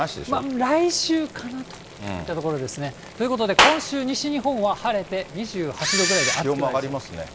来週かなといったところですね。ということで、今週、西日本は晴れて、２８度ぐらいで暑くなりそうです。